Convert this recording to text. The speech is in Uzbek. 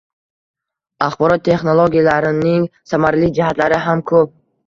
Axborot texnologiyalarining samarali jihatlari ham koʻp